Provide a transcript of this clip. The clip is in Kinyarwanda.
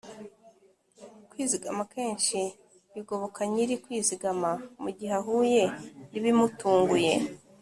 Kwizigama kenshi bigoboka nyiri kwizigama mugihe ahuye nibimutunguye